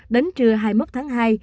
đến trưa hai mươi một tháng hai